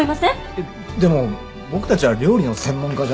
えっでも僕たちは料理の専門家じゃ。